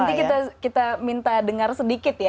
nanti kita minta dengar sedikit ya